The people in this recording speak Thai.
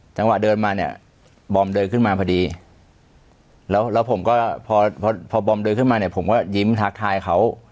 จังหวะเดินมาเนี่ยบอมเดินขึ้นมาพอดีแล้วผมก็พอพอบอมเดินขึ้นมาเนี่ยผมก็ยิ้มทักทายเขา